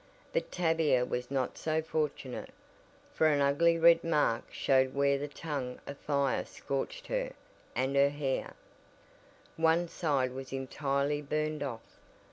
But Tavia was not so fortunate, for an ugly red mark showed where the tongue of fire scorched her, and her hair One side was entirely burned off!